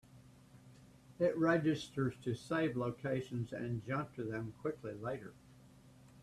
It registers to save locations and jump to them quickly later.